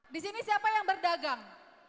di sini siapa yang berdagang